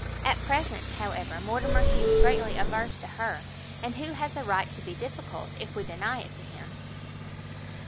At present, however, Mortimer seems greatly averse to her, and who has a right to be difficult, if we deny it to him?"